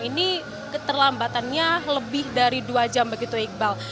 ini keterlambatannya lebih dari dua jam begitu iqbal